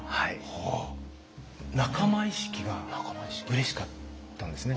仲間意識がうれしかったんですね。